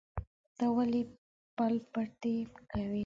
ته ولې پل پتی کوې؟